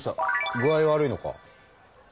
具合悪いのか？